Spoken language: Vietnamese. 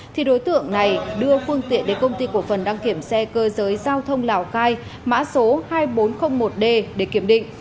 thì đối tượng này đưa phương tiện đến công ty cổ phần đăng kiểm xe cơ giới giao thông lào cai mã số hai nghìn bốn trăm linh một d để kiểm định